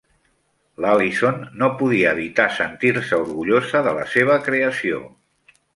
L'Alison no podia evitar sentir-se orgullosa de la seva creació.